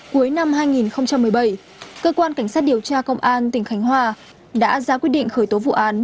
cuối năm hai nghìn một mươi bảy cơ quan cảnh sát điều tra công an tỉnh khánh hòa đã ra quyết định khởi tố vụ án